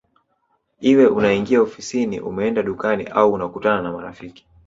Iwe unaingia ofisini umeenda dukani au unakutana na marafiki